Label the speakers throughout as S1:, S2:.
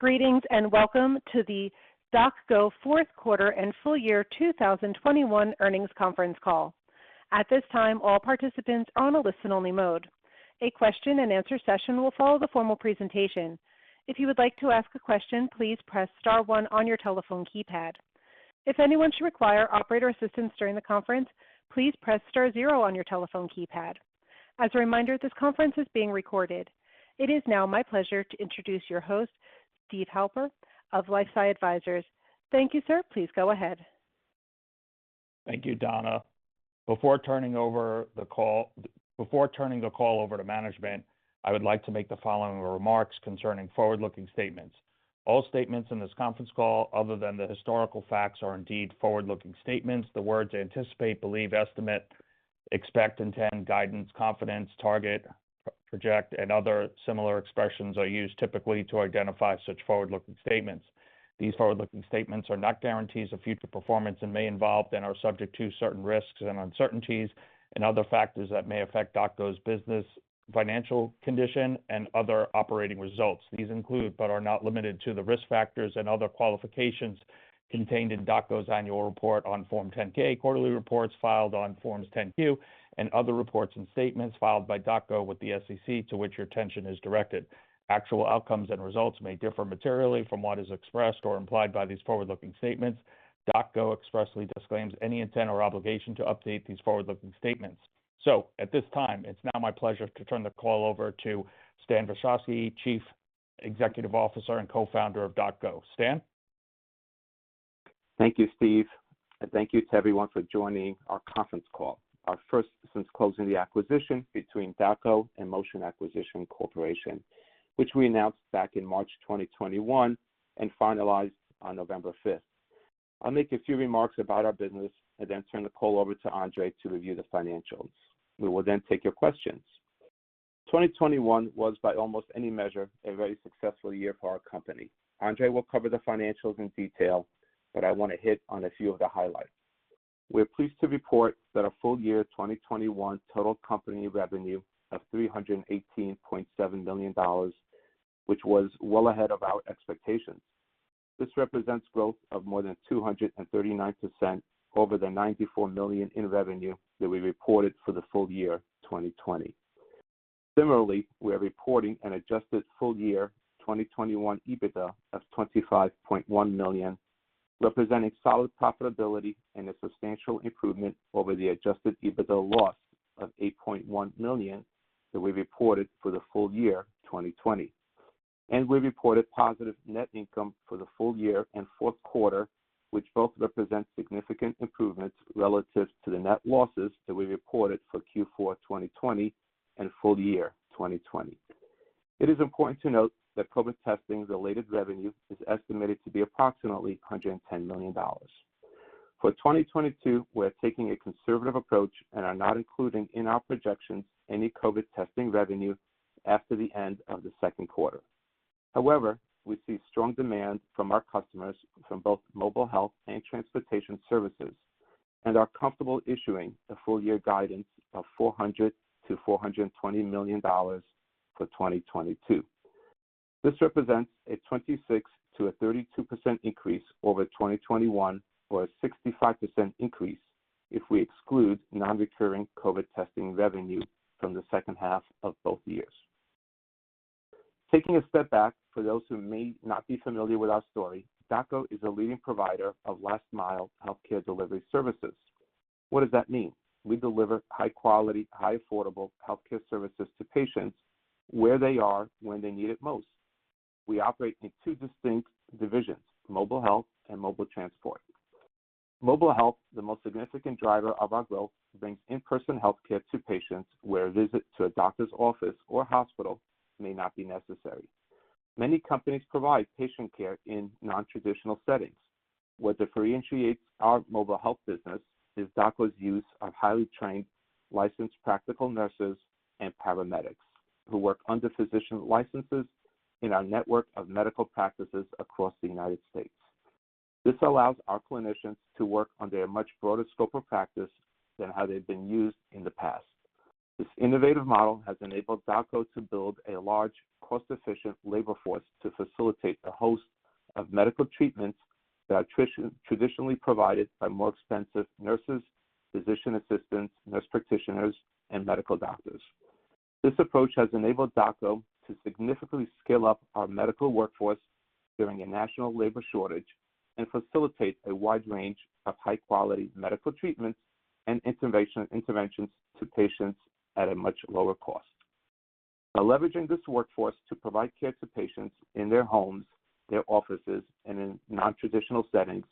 S1: Greetings, and welcome to the DocGo fourth quarter and full year 2021 earnings conference call. At this time, all participants are on a listen-only mode. A question-and-answer session will follow the formal presentation. If you would like to ask a question, please press star one on your telephone keypad. If anyone should require operator assistance during the conference, please press star zero on your telephone keypad. As a reminder, this conference is being recorded. It is now my pleasure to introduce your host, Steve Halper of LifeSci Advisors. Thank you, sir. Please go ahead.
S2: Thank you, Donna. Before turning the call over to management, I would like to make the following remarks concerning forward-looking statements. All statements in this conference call, other than the historical facts, are indeed forward-looking statements. The words anticipate, believe, estimate, expect, intend, guidance, confidence, target, project, and other similar expressions are used typically to identify such forward-looking statements. These forward-looking statements are not guarantees of future performance and may involve and are subject to certain risks and uncertainties and other factors that may affect DocGo's business, financial condition and other operating results. These include, but are not limited to, the risk factors and other qualifications contained in DocGo's annual report on Form 10-K, quarterly reports filed on Form 10-Q, and other reports and statements filed by DocGo with the SEC to which your attention is directed. Actual outcomes and results may differ materially from what is expressed or implied by these forward-looking statements. DocGo expressly disclaims any intent or obligation to update these forward-looking statements. At this time, it's now my pleasure to turn the call over to Stan Vashovsky, Chief Executive Officer and Co-founder of DocGo. Stan?
S3: Thank you, Steve, and thank you to everyone for joining our conference call, our first since closing the acquisition between DocGo and Motion Acquisition Corporation, which we announced back in March 2021 and finalized on November 5th. I'll make a few remarks about our business and then turn the call over to Andre to review the financials. We will then take your questions. 2021 was, by almost any measure, a very successful year for our company. Andre will cover the financials in detail, but I want to hit on a few of the highlights. We're pleased to report that our full year 2021 total company revenue of $318.7 million, which was well ahead of our expectations. This represents growth of more than 239% over the $94 million in revenue that we reported for the full year 2020. Similarly, we are reporting an adjusted full year 2021 EBITDA of $25.1 million, representing solid profitability and a substantial improvement over the adjusted EBITDA loss of $8.1 million that we reported for the full year 2020. We reported positive net income for the full year and fourth quarter, which both represent significant improvements relative to the net losses that we reported for Q4 2020 and full year 2020. It is important to note that COVID testing-related revenue is estimated to be approximately $110 million. For 2022, we're taking a conservative approach and are not including in our projections any COVID testing revenue after the end of the second quarter. However, we see strong demand from our customers from both mobile health and transportation services and are comfortable issuing a full year guidance of $400 million-$420 million for 2022. This represents a 26%-32% increase over 2021, or a 65% increase if we exclude non-recurring COVID testing revenue from the second half of both years. Taking a step back, for those who may not be familiar with our story, DocGo is a leading provider of last mile healthcare delivery services. What does that mean? We deliver high-quality, highly affordable healthcare services to patients where they are when they need it most. We operate in two distinct divisions, mobile health and mobile transport. Mobile health, the most significant driver of our growth, brings in-person healthcare to patients where a visit to a doctor's office or hospital may not be necessary. Many companies provide patient care in non-traditional settings. What differentiates our mobile health business is DocGo's use of highly trained licensed practical nurses and paramedics who work under physician licenses in our network of medical practices across the United States. This allows our clinicians to work under a much broader scope of practice than how they've been used in the past. This innovative model has enabled DocGo to build a large, cost-efficient labor force to facilitate a host of medical treatments that are traditionally provided by more expensive nurses, physician assistants, nurse practitioners, and medical doctors. This approach has enabled DocGo to significantly scale up our medical workforce during a national labor shortage and facilitate a wide range of high-quality medical treatments and interventions to patients at a much lower cost. By leveraging this workforce to provide care to patients in their homes, their offices, and in non-traditional settings,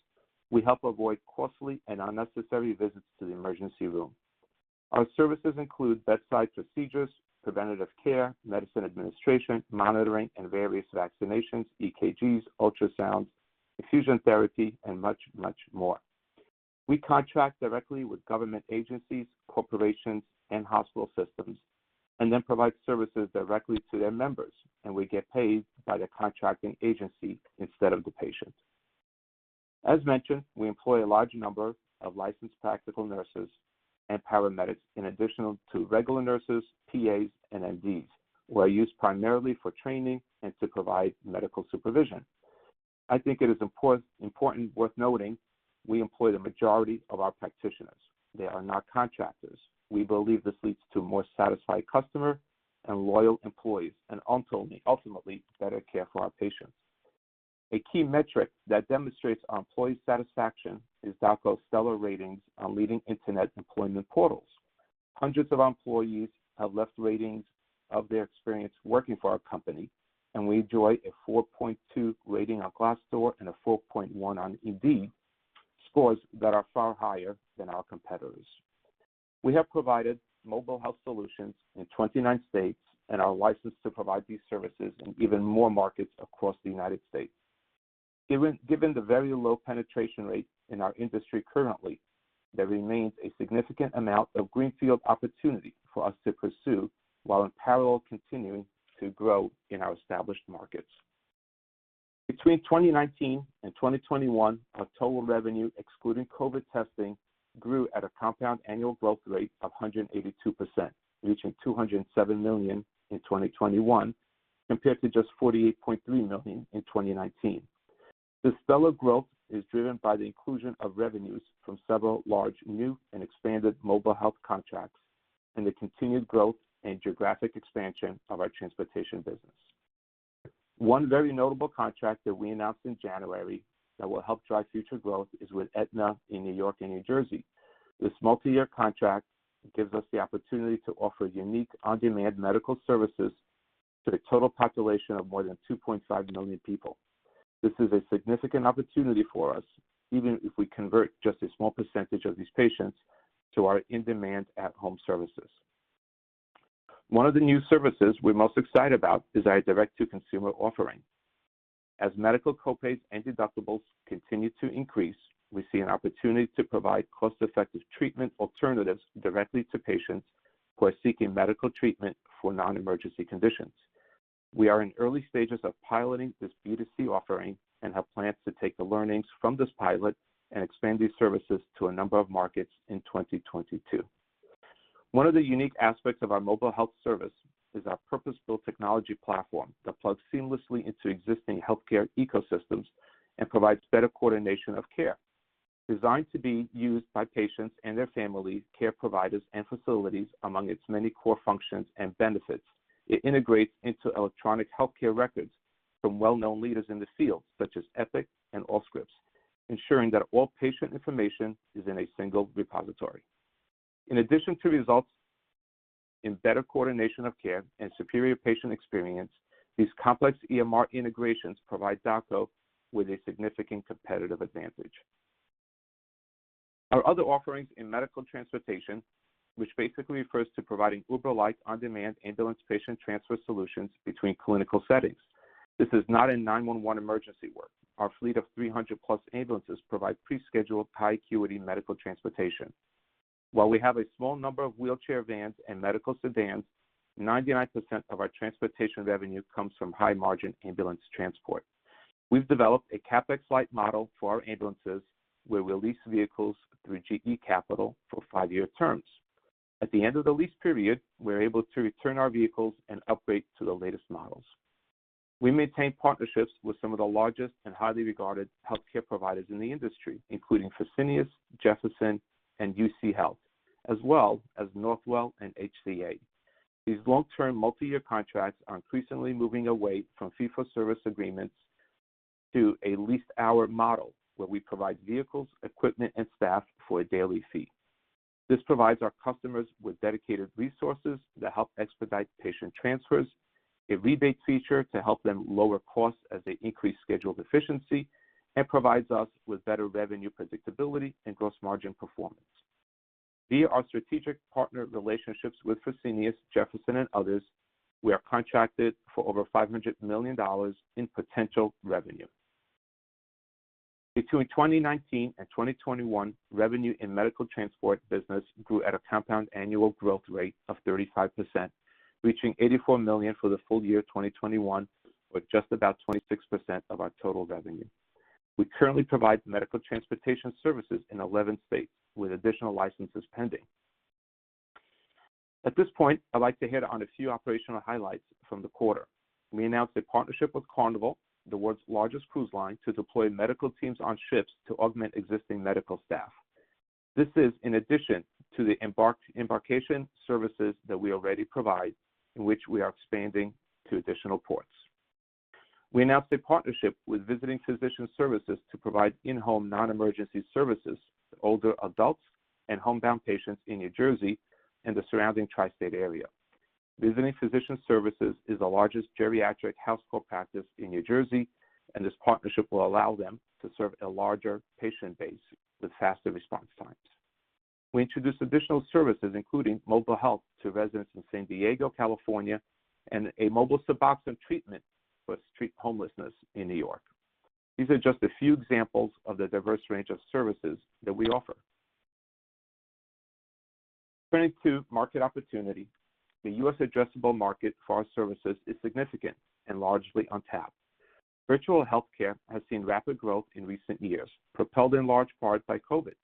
S3: we help avoid costly and unnecessary visits to the emergency room. Our services include bedside procedures, preventative care, medicine administration, monitoring, and various vaccinations, EKGs, ultrasounds, infusion therapy, and much, much more. We contract directly with government agencies, corporations, and hospital systems and then provide services directly to their members, and we get paid by the contracting agency instead of the patient. As mentioned, we employ a large number of licensed practical nurses and paramedics in addition to regular nurses, PAs, and MDs who are used primarily for training and to provide medical supervision.I think it is important worth noting we employ the majority of our practitioners. They are not contractors. We believe this leads to a more satisfied customer and loyal employees and ultimately better care for our patients. A key metric that demonstrates our employee satisfaction is DocGo's stellar ratings on leading internet employment portals. Hundreds of employees have left ratings of their experience working for our company, and we enjoy a 4.2 rating on Glassdoor and a 4.1 on Indeed, scores that are far higher than our competitors. We have provided mobile health solutions in 29 states and are licensed to provide these services in even more markets across the United States. Given the very low penetration rate in our industry currently, there remains a significant amount of greenfield opportunity for us to pursue while in parallel continuing to grow in our established markets. Between 2019 and 2021, our total revenue, excluding COVID testing, grew at a compound annual growth rate of 182%, reaching $207 million in 2021 compared to just $48.3 million in 2019. This stellar growth is driven by the inclusion of revenues from several large, new and expanded mobile health contracts and the continued growth and geographic expansion of our transportation business. One very notable contract that we announced in January that will help drive future growth is with Aetna in New York and New Jersey. This multi-year contract gives us the opportunity to offer unique on-demand medical services to the total population of more than 2.5 million people. This is a significant opportunity for us, even if we convert just a small percentage of these patients to our in-demand at-home services. One of the new services we're most excited about is our direct-to-consumer offering. As medical co-pays and deductibles continue to increase, we see an opportunity to provide cost-effective treatment alternatives directly to patients who are seeking medical treatment for non-emergency conditions. We are in early stages of piloting this B2C offering and have plans to take the learnings from this pilot and expand these services to a number of markets in 2022. One of the unique aspects of our mobile health service is our purpose-built technology platform that plugs seamlessly into existing healthcare ecosystems and provides better coordination of care. Designed to be used by patients and their families, care providers, and facilities among its many core functions and benefits, it integrates into electronic healthcare records from well-known leaders in the field, such as Epic and Allscripts, ensuring that all patient information is in a single repository. In addition to resulting in better coordination of care and superior patient experience, these complex EMR integrations provide DocGo with a significant competitive advantage. Our other offerings in medical transportation, which basically refers to providing Uber-like on-demand ambulance patient transfer solutions between clinical settings. This is not 911 emergency work. Our fleet of 300+ ambulances provide pre-scheduled high acuity medical transportation. While we have a small number of wheelchair vans and medical sedans, 99% of our transportation revenue comes from high-margin ambulance transport. We've developed a CapEx-light model for our ambulances, where we lease vehicles through GE Capital for five-year terms. At the end of the lease period, we're able to return our vehicles and upgrade to the latest models. We maintain partnerships with some of the largest and highly regarded healthcare providers in the industry, including Fresenius, Jefferson, and UCHealth, as well as Northwell and HCA. These long-term multi-year contracts are increasingly moving away from fee-for-service agreements to a lease hour model, where we provide vehicles, equipment, and staff for a daily fee. This provides our customers with dedicated resources to help expedite patient transfers, a rebate feature to help them lower costs as they increase scheduled efficiency and provides us with better revenue predictability and gross margin performance. Via our strategic partner relationships with Fresenius, Jefferson, and others, we are contracted for over $500 million in potential revenue. Between 2019 and 2021, revenue in medical transport business grew at a compound annual growth rate of 35%, reaching $84 million for the full year 2021, or just about 26% of our total revenue. We currently provide medical transportation services in 11 states with additional licenses pending. At this point, I'd like to hit on a few operational highlights from the quarter. We announced a partnership with Carnival, the world's largest cruise line, to deploy medical teams on ships to augment existing medical staff. This is in addition to the embarkation services that we already provide in which we are expanding to additional ports. We announced a partnership with Visiting Physician Services to provide in-home non-emergency services to older adults and homebound patients in New Jersey and the surrounding tri-state area. Visiting Physician Services is the largest geriatric house call practice in New Jersey, and this partnership will allow them to serve a larger patient base with faster response times. We introduced additional services, including mobile health to residents in San Diego, California, and a mobile Suboxone treatment for street homelessness in New York. These are just a few examples of the diverse range of services that we offer. Turning to market opportunity. The U.S. addressable market for our services is significant and largely untapped. Virtual healthcare has seen rapid growth in recent years, propelled in large part by COVID.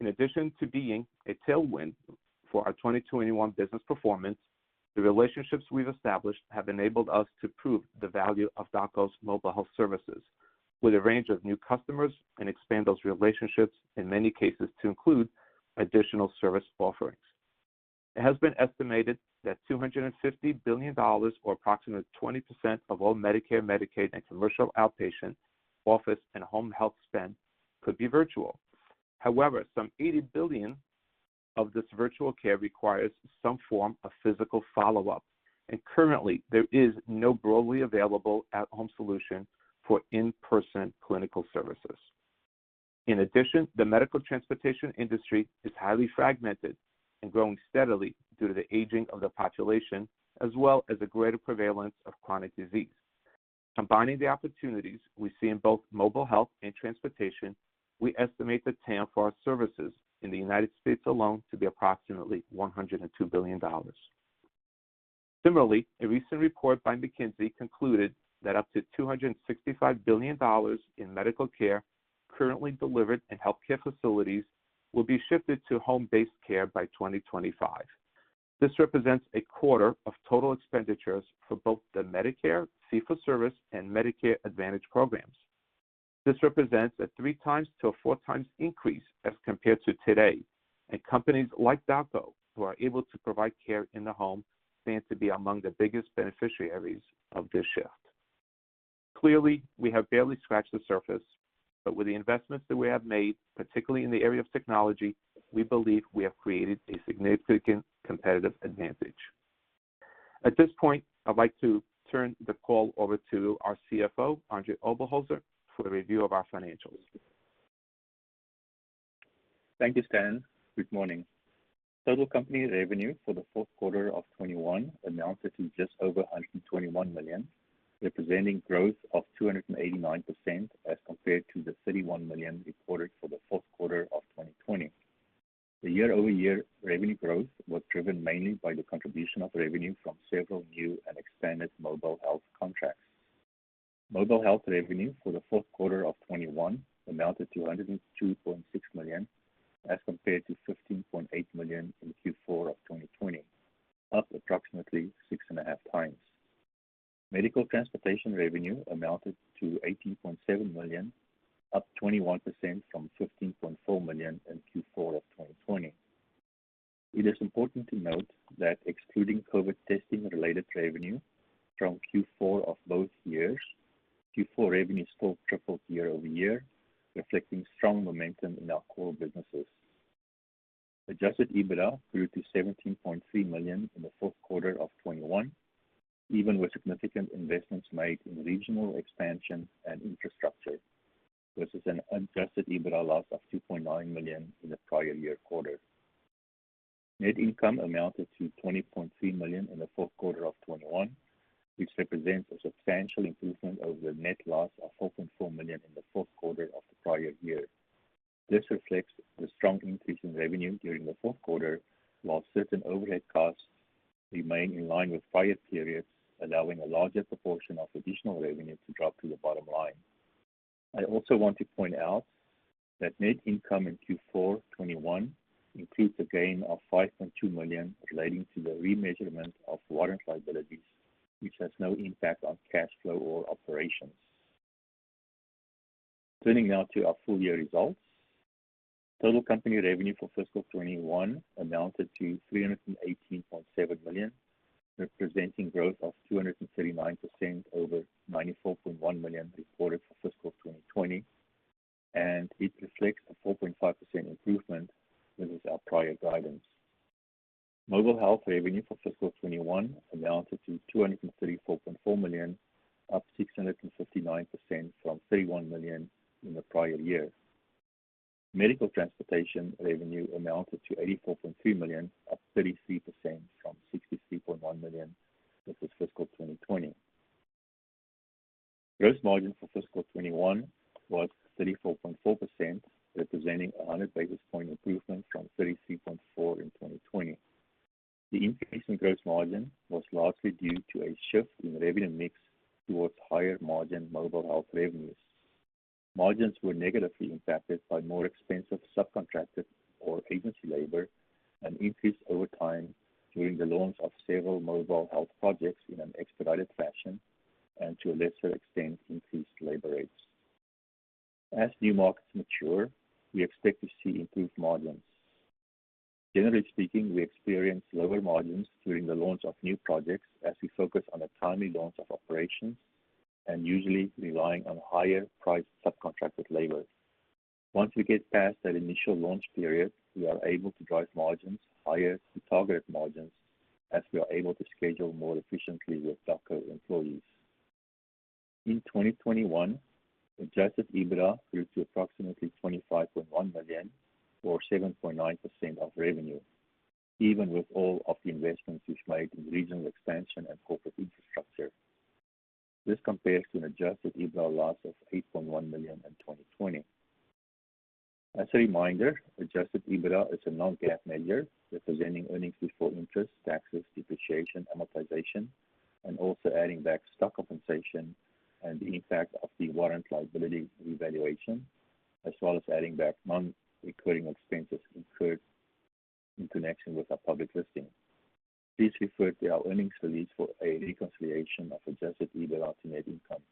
S3: In addition to being a tailwind for our 2021 business performance, the relationships we've established have enabled us to prove the value of DocGo's mobile health services with a range of new customers and expand those relationships, in many cases, to include additional service offerings. It has been estimated that $250 billion or approximately 20% of all Medicare, Medicaid, and commercial outpatient office and home health spend could be virtual. However, some $80 billion of this virtual care requires some form of physical follow-up, and currently, there is no broadly available at-home solution for in-person clinical services. In addition, the medical transportation industry is highly fragmented and growing steadily due to the aging of the population as well as a greater prevalence of chronic disease. Combining the opportunities we see in both mobile health and transportation, we estimate the TAM for our services in the United States alone to be approximately $102 billion. Similarly, a recent report by McKinsey concluded that up to $265 billion in medical care currently delivered in healthcare facilities will be shifted to home-based care by 2025. This represents a quarter of total expenditures for both the Medicare Fee-for-Service and Medicare Advantage programs. This represents a 3x-4x increase as compared to today, and companies like DocGo who are able to provide care in the home stand to be among the biggest beneficiaries of this shift. Clearly, we have barely scratched the surface, but with the investments that we have made, particularly in the area of technology, we believe we have created a significant competitive advantage. At this point, I'd like to turn the call over to our CFO, Andre Oberholzer, for a review of our financials.
S4: Thank you, Stan. Good morning. Total company revenue for the fourth quarter of 2021 amounted to just over $121 million, representing growth of 289% as compared to the $31 million reported for the fourth quarter of 2020. The year-over-year revenue growth was driven mainly by the contribution of revenue from several new and expanded mobile health contracts. Mobile health revenue for the fourth quarter of 2021 amounted to $102.6 million, as compared to $15.8 million in Q4 of 2020, up approximately 6.5x. Medical transportation revenue amounted to $80.7 million, up 21% from $15.4 million in Q4 of 2020. It is important to note that excluding COVID testing-related revenue from Q4 of both years, Q4 revenue still tripled year-over-year, reflecting strong momentum in our core businesses. Adjusted EBITDA grew to $17.3 million in the fourth quarter of 2021, even with significant investments made in regional expansion and infrastructure versus an adjusted EBITDA loss of $2.9 million in the prior year quarter. Net income amounted to $20.3 million in the fourth quarter of 2021, which represents a substantial improvement over the net loss of $4.4 million in the fourth quarter of the prior year. This reflects the strong increase in revenue during the fourth quarter, while certain overhead costs remain in line with prior periods, allowing a larger proportion of additional revenue to drop to the bottom line. I also want to point out that net income in Q4 2021 includes a gain of $5.2 million relating to the remeasurement of warrant liabilities, which has no impact on cash flow or operations. Turning now to our full-year results. Total company revenue for fiscal 2021 amounted to $318.7 million, representing growth of 239% over $94.1 million reported for fiscal 2020, and it reflects a 4.5% improvement versus our prior guidance. Mobile health revenue for fiscal 2021 amounted to $234.4 million, up 659% from $31 million in the prior year. Medical transportation revenue amounted to $84.3 million, up 33% from $63.1 million versus fiscal 2020. Gross margin for fiscal 2021 was 34.4%, representing a 100 basis point improvement from 33.4% in 2020. The increase in gross margin was largely due to a shift in revenue mix towards higher margin mobile health revenues. Margins were negatively impacted by more expensive subcontracted or agency labor, an increase over time during the launch of several mobile health projects in an expedited fashion, and to a lesser extent, increased labor rates. As new markets mature, we expect to see improved margins. Generally speaking, we experience lower margins during the launch of new projects as we focus on a timely launch of operations and usually relying on higher priced subcontracted labor. Once we get past that initial launch period, we are able to drive margins higher to target margins as we are able to schedule more efficiently with DocGo employees. In 2021, adjusted EBITDA grew to approximately $25.1 million or 7.9% of revenue even with all of the investments we've made in regional expansion and corporate infrastructure. This compares to an adjusted EBITDA loss of $8.1 million in 2020. As a reminder, adjusted EBITDA is a non-GAAP measure representing earnings before interest, taxes, depreciation, amortization, and also adding back stock compensation and the impact of the warrant liability revaluation, as well as adding back non-recurring expenses incurred in connection with our public listing. Please refer to our earnings release for a reconciliation of adjusted EBITDA to net income.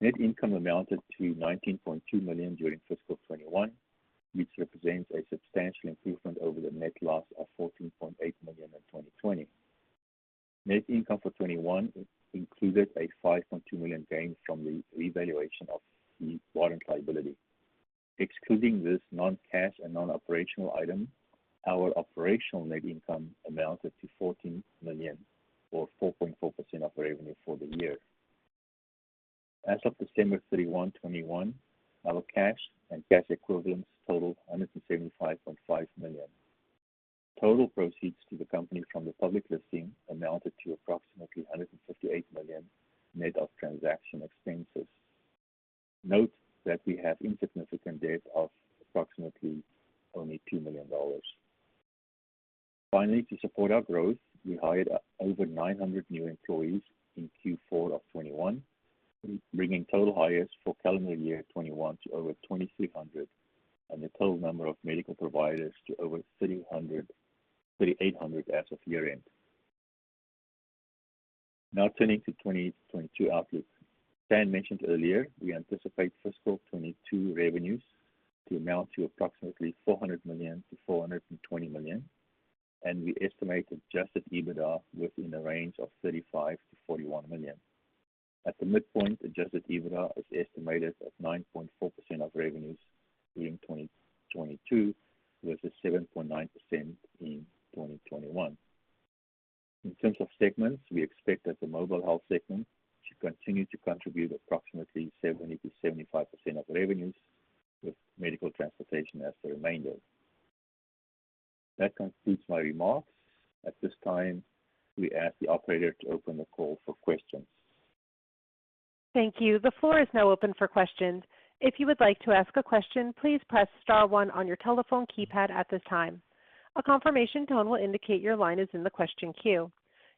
S4: Net income amounted to $19.2 million during fiscal 2021, which represents a substantial improvement over the net loss of $14.8 million in 2020. Net income for 2021 included a $5.2 million gain from the revaluation of the warrant liability. Excluding this non-cash and non-operational item, our operational net income amounted to $14 million or 4.4% of revenue for the year. As of December 31, 2021, our cash and cash equivalents totaled $175.5 million. Total proceeds to the company from the public listing amounted to approximately $158 million net of transaction expenses. Note that we have insignificant debt of approximately only $2 million. Finally, to support our growth, we hired over 900 new employees in Q4 of 2021, bringing total hires for calendar year 2021 to over 2,300, and the total number of medical providers to over 3,800 as of year-end. Now turning to 2022 outlook. Stan mentioned earlier we anticipate fiscal 2022 revenues to amount to approximately $400 million-$420 million, and we estimate adjusted EBITDA within a range of $35 million-$41 million. At the midpoint, adjusted EBITDA is estimated at 9.4% of revenues in 2022 versus 7.9% in 2021. In terms of segments, we expect that the mobile health segment should continue to contribute approximately 70%-75% of revenues, with medical transportation as the remainder. That concludes my remarks. At this time, we ask the operator to open the call for questions.
S1: Thank you. The floor is now open for questions. If you would like to ask a question, please press star one on your telephone keypad at this time. A confirmation tone will indicate your line is in the question queue.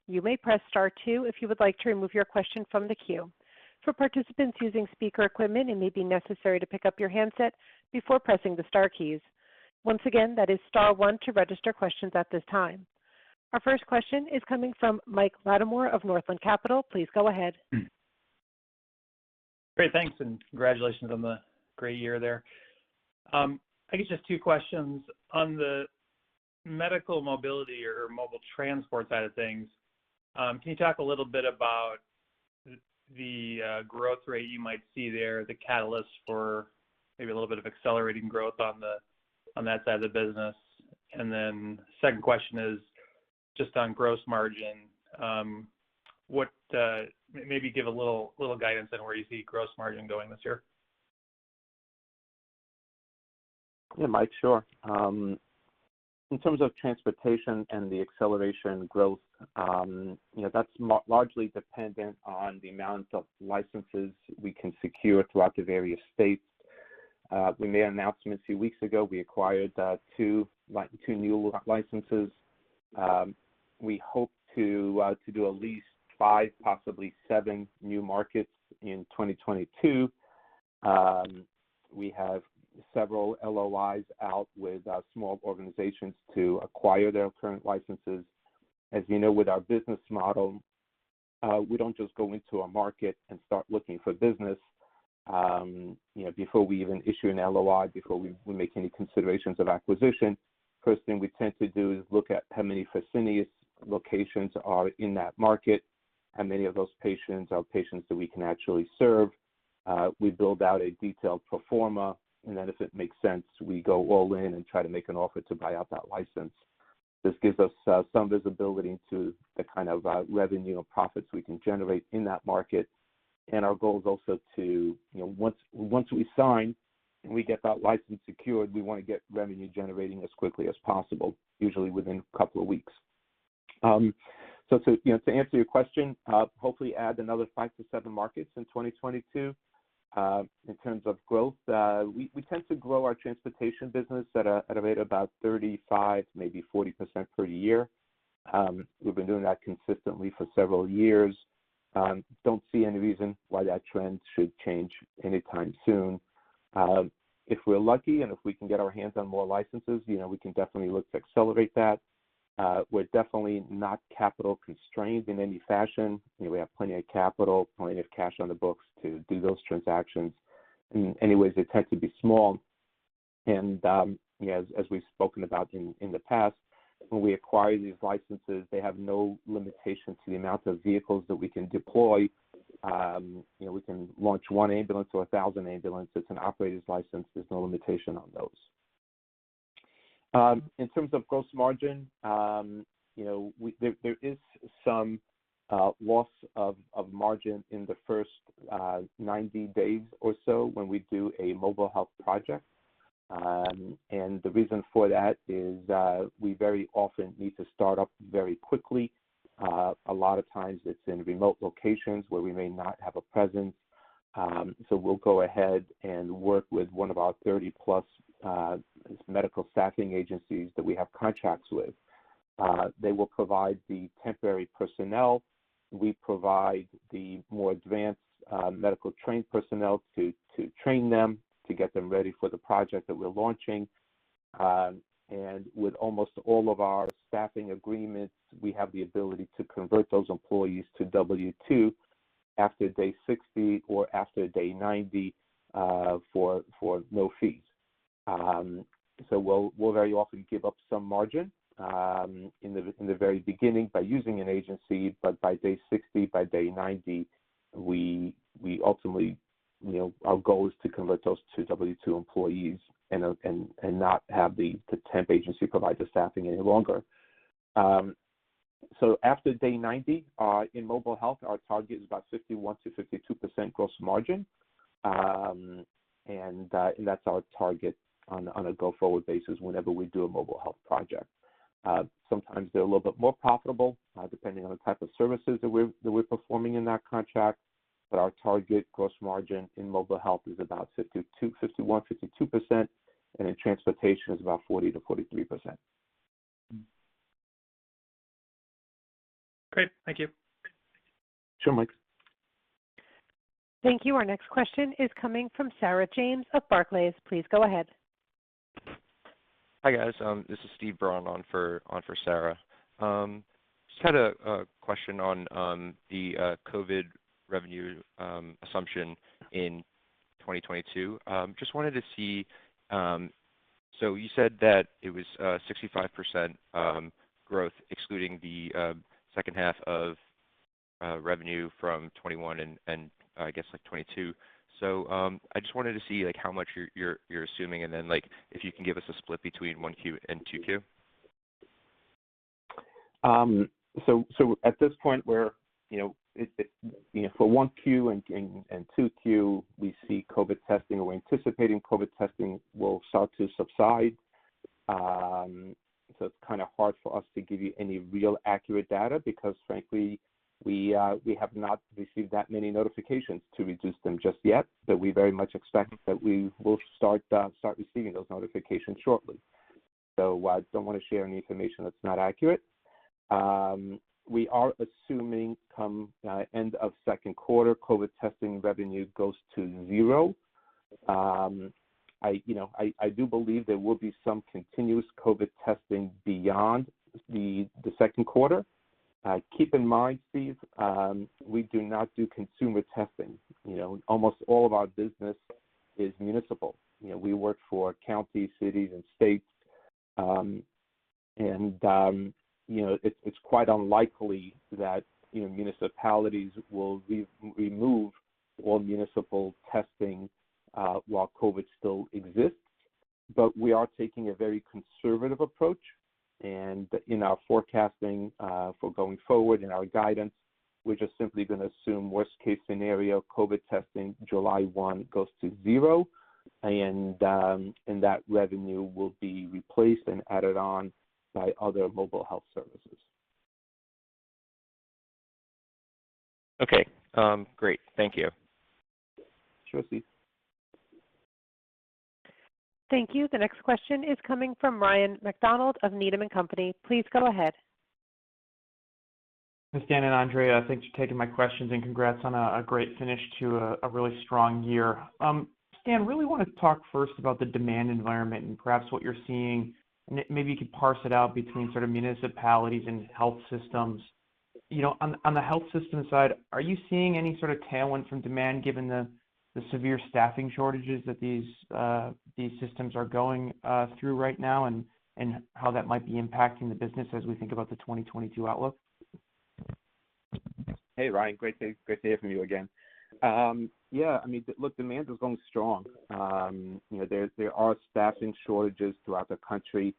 S1: You may press star two if you would like to remove your question from the queue. For participants using speaker equipment, it may be necessary to pick up your handset before pressing the star keys. Once again, that is star one to register questions at this time. Our first question is coming from Mike Latimore of Northland Capital. Please go ahead.
S5: Great. Thanks, and congratulations on the great year there. I guess just two questions. On the medical mobility or mobile transport side of things, can you talk a little bit about the growth rate you might see there, the catalyst for maybe a little bit of accelerating growth on that side of the business? Second question is just on gross margin. Maybe give a little guidance on where you see gross margin going this year.
S3: Yeah, Mike, sure. In terms of transportation and the accelerating growth, you know, that's largely dependent on the amount of licenses we can secure throughout the various states. We made an announcement a few weeks ago. We acquired two new licenses. We hope to do at least five, possibly seven new markets in 2022. We have several LOIs out with small organizations to acquire their current licenses. As you know, with our business model, we don't just go into a market and start looking for business. You know, before we even issue an LOI, before we make any considerations of acquisition, first thing we tend to do is look at how many Fresenius locations are in that market, how many of those patients are patients that we can actually serve. We build out a detailed pro forma, and then if it makes sense, we go all in and try to make an offer to buy out that license. This gives us some visibility into the kind of revenue or profits we can generate in that market. Our goal is also to, you know, once we sign and we get that license secured, we wanna get revenue generating as quickly as possible, usually within a couple of weeks. To answer your question, hopefully add another five-seven markets in 2022. In terms of growth, we tend to grow our transportation business at a rate about 35%, maybe 40% per year. We've been doing that consistently for several years. Don't see any reason why that trend should change anytime soon. If we're lucky, and if we can get our hands on more licenses, you know, we can definitely look to accelerate that. We're definitely not capital constrained in any fashion. You know, we have plenty of capital, plenty of cash on the books to do those transactions. Anyways, they tend to be small. As we've spoken about in the past, when we acquire these licenses, they have no limitation to the amount of vehicles that we can deploy. You know, we can launch one ambulance or 1,000 ambulances. An operator's license, there's no limitation on those. In terms of gross margin, you know, there is some loss of margin in the first 90 days or so when we do a mobile health project. The reason for that is, we very often need to start up very quickly. A lot of times it's in remote locations where we may not have a presence. We'll go ahead and work with one of our 30-plus medical staffing agencies that we have contracts with. They will provide the temporary personnel. We provide the more advanced medical trained personnel to train them, to get them ready for the project that we're launching. With almost all of our staffing agreements, we have the ability to convert those employees to W-2 after day 60 or after day 90 for no fees. We'll very often give up some margin in the very beginning by using an agency, but by day 60, by day 90, we ultimately, you know, our goal is to convert those to W-2 employees and not have the temp agency provide the staffing any longer. After day 90, in mobile health, our target is about 51%-52% gross margin. That's our target on a go-forward basis whenever we do a mobile health project. Sometimes they're a little bit more profitable, depending on the type of services that we're performing in that contract. Our target gross margin in mobile health is about 52%, 51%-52%, and in transportation it's about 40%-43%.
S5: Great. Thank you.
S3: Sure, Mike.
S1: Thank you. Our next question is coming from Sarah James of Barclays. Please go ahead.
S6: Hi, guys. This is Steve Braun on for Sarah. Just had a question on the COVID revenue assumption in 2022. Just wanted to see. You said that it was 65% growth excluding the second half of revenue from 2021 and I guess like 2022. I just wanted to see like how much you're assuming and then like if you can give us a split between 1Q and 2Q.
S3: At this point, you know, for 1Q and 2Q, we see COVID testing or we're anticipating COVID testing will start to subside. It's kinda hard for us to give you any real accurate data because frankly, we have not received that many notifications to reduce them just yet, but we very much expect that we will start receiving those notifications shortly. I don't wanna share any information that's not accurate. We are assuming come end of second quarter, COVID testing revenue goes to zero. I you know do believe there will be some continuous COVID testing beyond the second quarter. Keep in mind, Steve, we do not do consumer testing. You know, almost all of our business is municipal. You know, we work for counties, cities and states. You know, it's quite unlikely that you know, municipalities will remove all municipal testing while COVID still exists. We are taking a very conservative approach, and in our forecasting for going forward in our guidance, we're just simply gonna assume worst case scenario, COVID testing July 1 goes to zero, and that revenue will be replaced and added on by other mobile health services.
S6: Okay. Great. Thank you.
S3: Sure, Steve.
S1: Thank you. The next question is coming from Ryan MacDonald of Needham & Company. Please go ahead.
S7: Stan and Andre, thanks for taking my questions, and congrats on a great finish to a really strong year. Stan, really wanna talk first about the demand environment and perhaps what you're seeing. Maybe you could parse it out between sort of municipalities and health systems. You know, on the health system side, are you seeing any sort of tailwind from demand given the severe staffing shortages that these systems are going through right now and how that might be impacting the business as we think about the 2022 outlook?
S3: Hey, Ryan. Great to hear from you again. Yeah, I mean, look, demand is going strong. You know, there are staffing shortages throughout the country.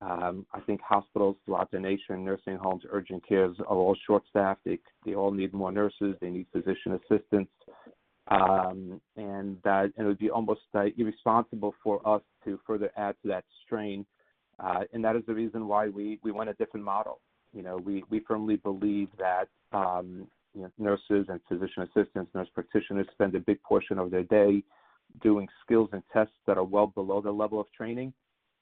S3: I think hospitals throughout the nation, nursing homes, urgent cares are all short-staffed. They all need more nurses. They need physician assistants. That it would be almost irresponsible for us to further add to that strain. That is the reason why we want a different model. You know, we firmly believe that, you know, nurses and physician assistants, nurse practitioners spend a big portion of their day doing skills and tests that are well below their level of training.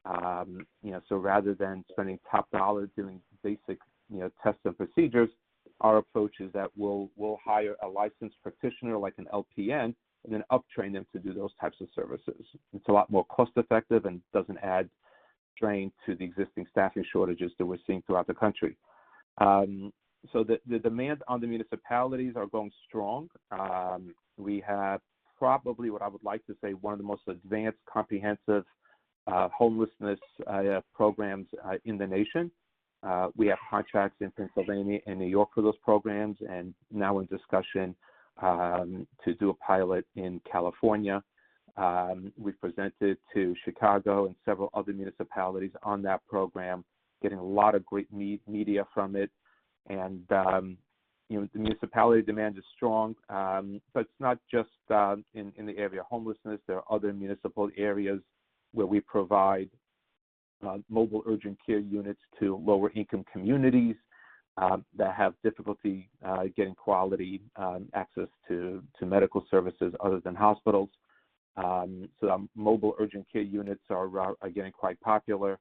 S3: You know, so rather than spending top dollar doing basic, you know, tests and procedures, our approach is that we'll hire a licensed practitioner like an LPN and then up-train them to do those types of services. It's a lot more cost-effective and doesn't add strain to the existing staffing shortages that we're seeing throughout the country. So the demand on the municipalities are going strong. We have probably what I would like to say, one of the most advanced comprehensive homelessness programs in the nation. We have contracts in Pennsylvania and New York for those programs and now in discussion to do a pilot in California. We presented to Chicago and several other municipalities on that program, getting a lot of great media from it. You know, the municipality demand is strong. It's not just in the area of homelessness. There are other municipal areas where we provide mobile urgent care units to lower income communities that have difficulty getting quality access to medical services other than hospitals. The mobile urgent care units are getting quite popular.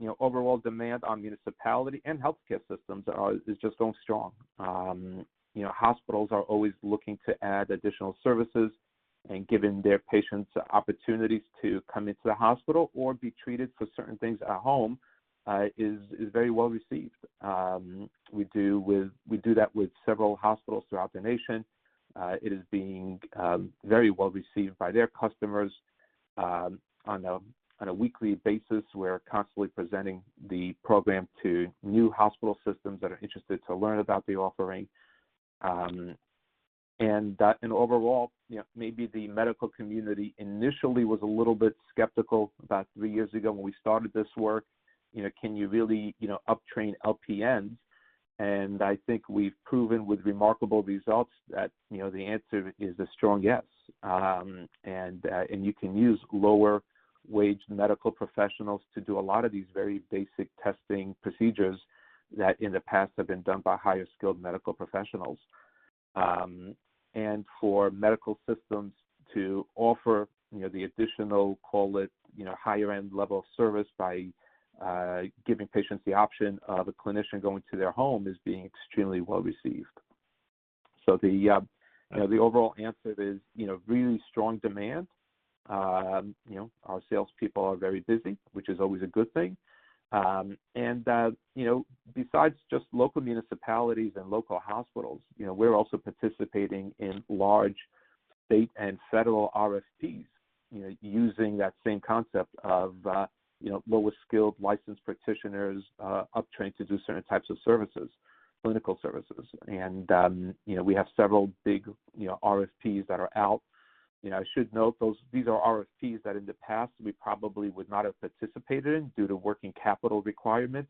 S3: You know, overall demand on municipality and healthcare systems is just going strong. You know, hospitals are always looking to add additional services, and giving their patients opportunities to come into the hospital or be treated for certain things at home is very well received. We do that with several hospitals throughout the nation. It is being very well received by their customers. On a weekly basis, we're constantly presenting the program to new hospital systems that are interested to learn about the offering. Overall, you know, maybe the medical community initially was a little bit skeptical about three years ago when we started this work. You know, can you really, you know, uptrain LPNs? I think we've proven with remarkable results that, you know, the answer is a strong yes. You can use lower wage medical professionals to do a lot of these very basic testing procedures that in the past have been done by higher skilled medical professionals. For medical systems to offer, you know, the additional, call it, you know, higher end level of service by giving patients the option of a clinician going to their home is being extremely well received. The overall answer is, you know, really strong demand. You know, our salespeople are very busy, which is always a good thing. That, you know, besides just local municipalities and local hospitals, you know, we're also participating in large state and federal RFPs, you know, using that same concept of, you know, lower skilled licensed practitioners, uptrained to do certain types of services, clinical services. You know, we have several big, you know, RFPs that are out. You know, I should note those, these are RFPs that in the past we probably would not have participated in due to working capital requirements.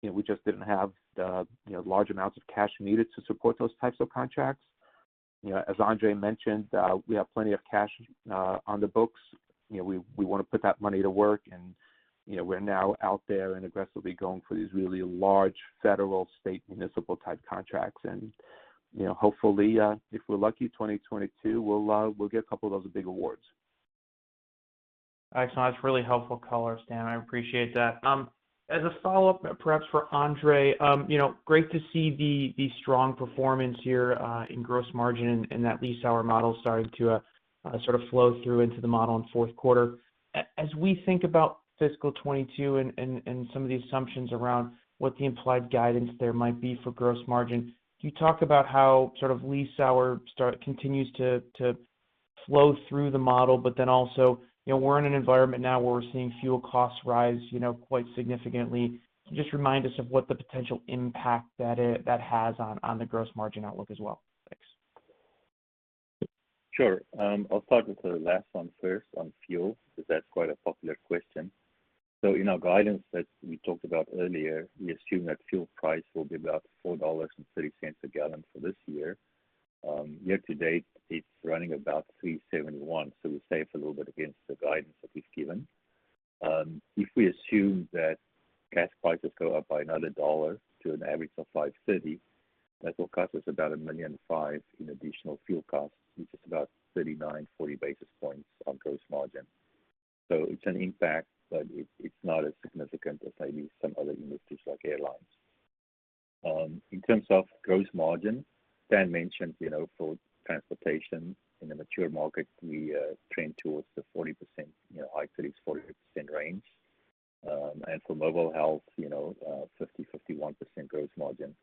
S3: You know, we just didn't have the, you know, large amounts of cash needed to support those types of contracts. You know, as Andre mentioned, we have plenty of cash on the books. You know, we wanna put that money to work. You know, we're now out there and aggressively going for these really large federal, state, municipal type contracts. You know, hopefully, if we're lucky, 2022, we'll get a couple of those big awards.
S7: Excellent. That's really helpful color, Stan. I appreciate that. As a follow-up, perhaps for Andre, you know, great to see the strong performance here in gross margin and that lease hour model starting to sort of flow through into the model in fourth quarter. As we think about fiscal 2022 and some of the assumptions around what the implied guidance there might be for gross margin, can you talk about how sort of lease hour continues to flow through the model, but then also, you know, we're in an environment now where we're seeing fuel costs rise, you know, quite significantly. So just remind us of what the potential impact that has on the gross margin outlook as well. Thanks.
S4: Sure. I'll start with the last one first on fuel, because that's quite a popular question. In our guidance that we talked about earlier, we assume that fuel price will be about $4.30 a gallon for this year. Year to date, it's running about $3.71, so we're safe a little bit against the guidance that we've given. If we assume that gas prices go up by another dollar to an average of $5.30, that will cost us about $1.5 million in additional fuel costs, which is about 39-40 basis points on gross margin. It's an impact, but it's not as significant as maybe some other industries like airlines. In terms of gross margin, Stan mentioned, you know, for transportation in a mature market, we trend towards the 40%, you know, high 30%s-40% range. For mobile health, you know, 50%-51% gross margin.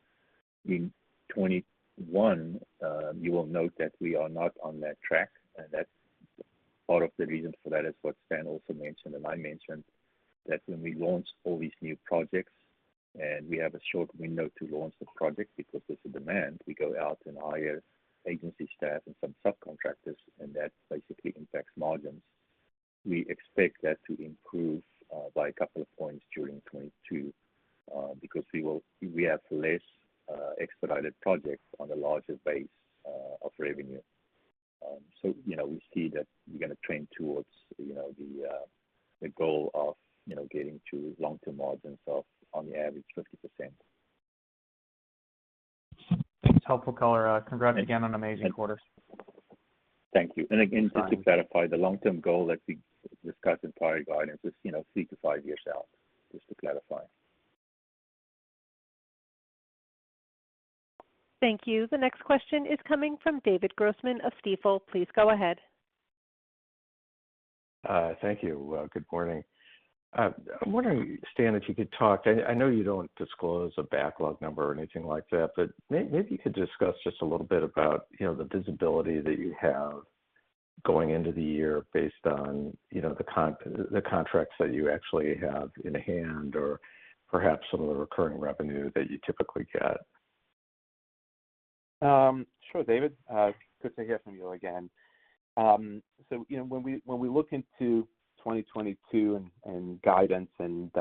S4: In 2021, you will note that we are not on that track, and that's part of the reason for that is what Stan also mentioned and I mentioned, that when we launch all these new projects and we have a short window to launch the project because there's a demand, we go out and hire agency staff and some subcontractors, and that basically impacts margins. We expect that to improve by a couple of points during 2022, because we have less expedited projects on a larger base of revenue. You know, we see that we're gonna trend towards, you know, the goal of, you know, getting to long-term margins of, on the average, 50%.
S7: It's helpful color. Congrats again on amazing quarter.
S4: Thank you. Again, just to clarify, the long-term goal that we discussed in prior guidance is, you know, three-five years out, just to clarify.
S1: Thank you. The next question is coming from David Grossman of Stifel. Please go ahead.
S8: Thank you. Good morning. I'm wondering, Stan, if you could talk. I know you don't disclose a backlog number or anything like that, but maybe you could discuss just a little bit about, you know, the visibility that you have going into the year based on, you know, the contracts that you actually have in hand or perhaps some of the recurring revenue that you typically get.
S3: Sure, David. Good to hear from you again. You know, when we look into 2022 and guidance and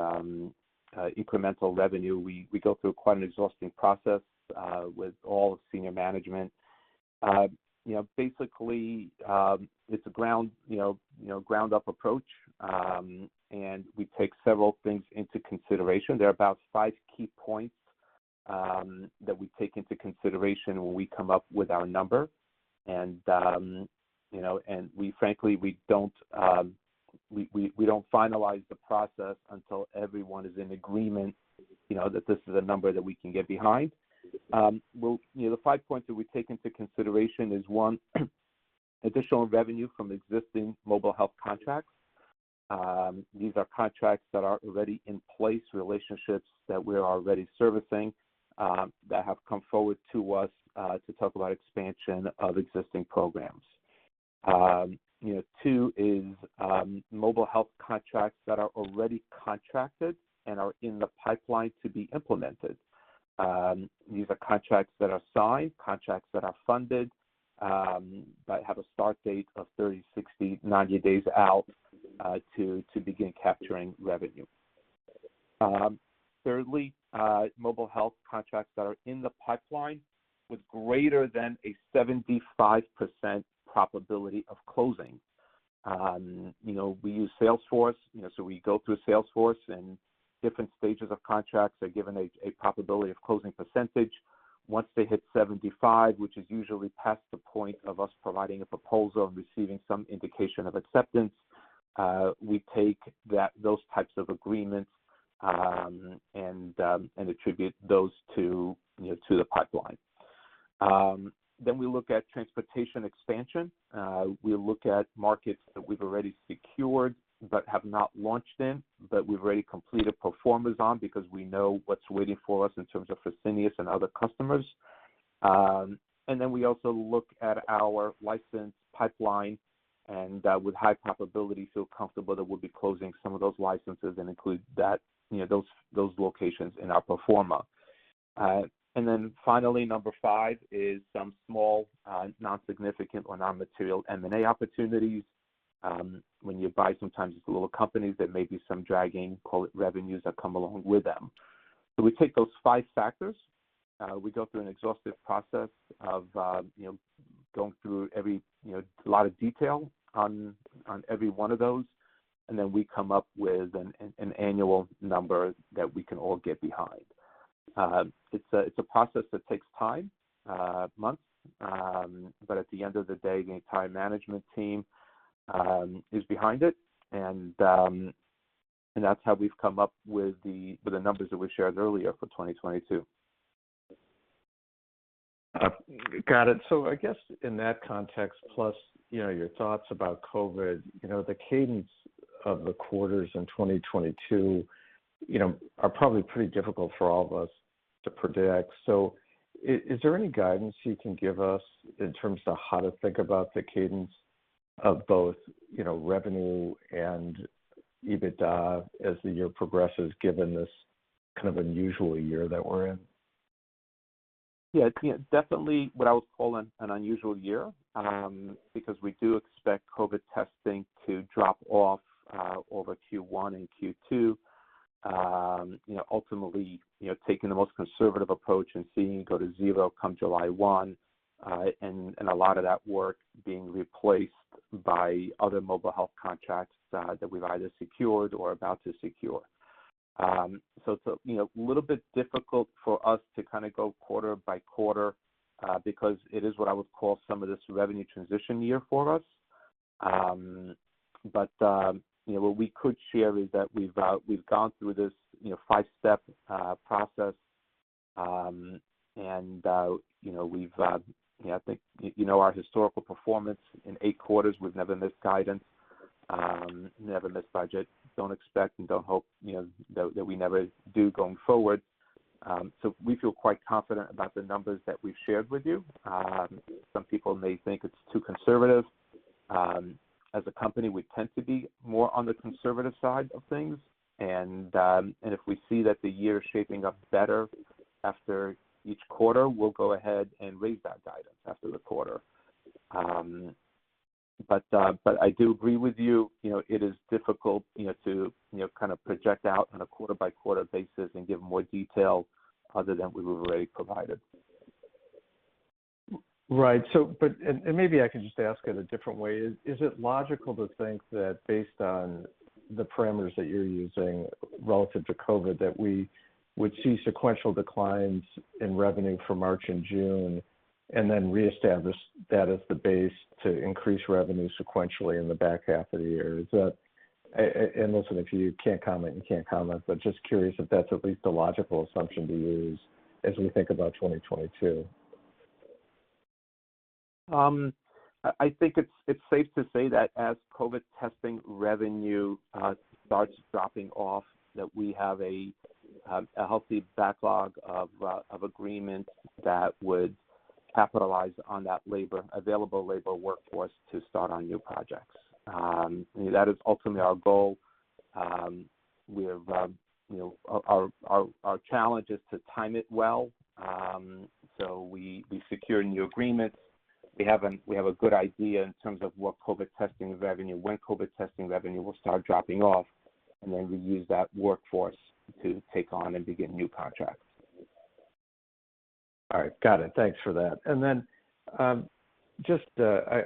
S3: incremental revenue, we go through quite an exhausting process with all senior management. You know, basically, it's a ground up approach, and we take several things into consideration. There are about five key points that we take into consideration when we come up with our number. You know, we frankly don't finalize the process until everyone is in agreement, you know, that this is a number that we can get behind. The five points that we take into consideration is one, additional revenue from existing mobile health contracts. These are contracts that are already in place, relationships that we're already servicing, that have come forward to us to talk about expansion of existing programs. You know, two is mobile health contracts that are already contracted and are in the pipeline to be implemented. These are contracts that are signed, contracts that are funded, but have a start date of 30, 60, 90 days out to begin capturing revenue. Thirdly, mobile health contracts that are in the pipeline with greater than a 75% probability of closing. You know, we use Salesforce, you know, so we go through Salesforce, and different stages of contracts are given a probability of closing percentage. Once they hit 75, which is usually past the point of us providing a proposal and receiving some indication of acceptance, we take those types of agreements and attribute those to, you know, to the pipeline. We look at transportation expansion. We look at markets that we've already secured but have not launched in, but we've already completed pro formas on because we know what's waiting for us in terms of Fresenius and other customers. We also look at our license pipeline and with high probability feel comfortable that we'll be closing some of those licenses and include that, you know, those locations in our pro forma. Finally, number five is some small non-significant or non-material M&A opportunities. When you buy sometimes these little companies, there may be some dragging call it revenues that come along with them. We take those five factors, we go through an exhaustive process of, you know, going through every, you know, a lot of detail on every one of those, and then we come up with an annual number that we can all get behind. It's a process that takes time, months, but at the end of the day, the entire management team is behind it and that's how we've come up with the numbers that we shared earlier for 2022.
S8: I guess in that context, plus, you know, your thoughts about COVID, you know, the cadence of the quarters in 2022, you know, are probably pretty difficult for all of us to predict. Is there any guidance you can give us in terms of how to think about the cadence of both, you know, revenue and EBITDA as the year progresses, given this kind of unusual year that we're in?
S3: Yeah. It's, you know, definitely what I would call an unusual year, because we do expect COVID testing to drop off over Q1 and Q2. You know, ultimately, you know, taking the most conservative approach and seeing it go to zero come July 1, and a lot of that work being replaced by other mobile health contracts that we've either secured or are about to secure. So it's, you know, a little bit difficult for us to kinda go quarter by quarter, because it is what I would call some of this revenue transition year for us. You know, what we could share is that we've gone through this, you know, five-step process, and, you know, we've, you know, I think you know our historical performance. In eight quarters, we've never missed guidance, never missed budget. Don't expect and don't hope, you know, that we never do going forward. We feel quite confident about the numbers that we've shared with you. Some people may think it's too conservative. As a company, we tend to be more on the conservative side of things, and if we see that the year is shaping up better after each quarter, we'll go ahead and raise that guidance after the quarter. But I do agree with you. You know, it is difficult, you know, to, you know, kind of project out on a quarter-by-quarter basis and give more detail other than we've already provided.
S8: Right. Maybe I can just ask it a different way. Is it logical to think that based on the parameters that you're using relative to COVID, that we would see sequential declines in revenue for March and June, and then reestablish that as the base to increase revenue sequentially in the back half of the year? And listen, if you can't comment, you can't comment, but just curious if that's at least a logical assumption to use as we think about 2022.
S3: I think it's safe to say that as COVID testing revenue starts dropping off, that we have a healthy backlog of agreements that would capitalize on that available labor workforce to start on new projects. That is ultimately our goal. We're, you know, our challenge is to time it well. We secure new agreements. We have a good idea in terms of what COVID testing revenue, when COVID testing revenue will start dropping off, and then we use that workforce to take on and to get new contracts.
S8: All right. Got it. Thanks for that. I